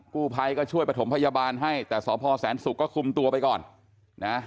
กู้ภัยก็ช่วยประถมพยาบาลให้แต่สพแสนศุกร์ก็คุมตัวไปก่อนนะ